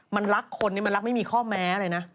มันรักคนนี่มันรักไม่มีข้อแม้เลยนะ